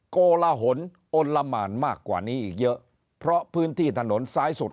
โกลหนอนละหมานมากกว่านี้อีกเยอะเพราะพื้นที่ถนนซ้ายสุด